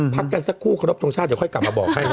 พักกันสักครู่ครบทรงชาติเดี๋ยวค่อยกลับมาบอกให้นะ